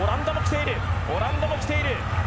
オランダも来ている。